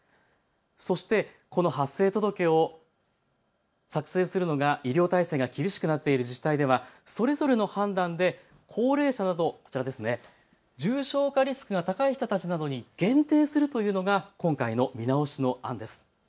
そして、この発生届を作成するのが医療体制が厳しくなっている自治体ではそれぞれの判断で高齢者など重症化リスクが高い人たちなどに限定するというのが今回の見直しの案です。